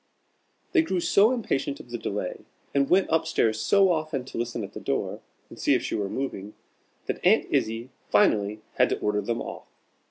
They grew so impatient of the delay, and went up stairs so often to listen at the door, and see if she were moving, that Aunt Izzie finally had to order them off.